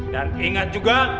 dan ingat juga